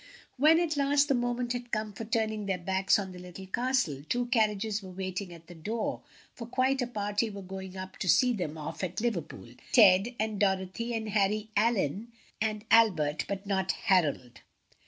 When, at last, the moment had come for turning their backs on the Little Castle, two carriages were waiting at the door, for quite a party were going up to see them off at Liverpool Ted and Dorothy and Harry Allyn and Albert, but not Harold.